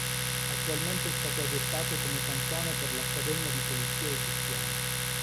Attualmente è stato adottato come canzone per l'Accademia di polizia egiziana.